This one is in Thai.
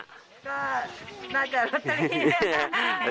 ก็น่าจะรถเตอรี่